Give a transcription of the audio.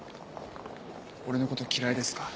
俺のこと嫌いですか？